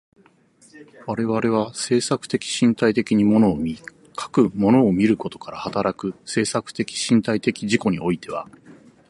我々は制作的身体的に物を見、かく物を見ることから働く制作的身体的自己においては、